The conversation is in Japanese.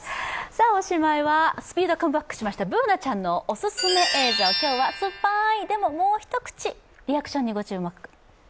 おしまいは、スピードカムバックしましたＢｏｏｎａちゃんのオススメ映像、今日はすっぱぁーい、でももう一口リアクションに注目。